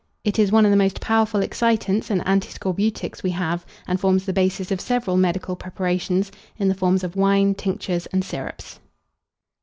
It is one of the most powerful excitants and antiscorbutics we have, and forms the basis of several medical preparations, in the form of wines, tinctures, and syrups.